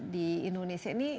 di indonesia ini